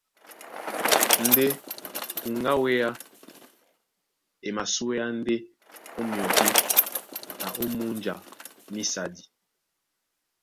Ndé kuŋgá á wéá e masúéá ndé ó myɔpí na ó múnja mísadi.